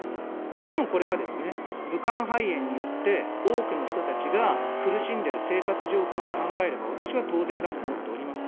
もちろん、これはですね、武漢肺炎によって多くの人たちが苦しんでる生活状況を考えれば、私は当然だと思っております。